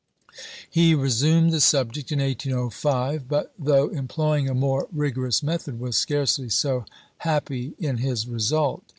He resumed the subject in 1805, but though employing a more rigorous method, was scarcely so happy in his result.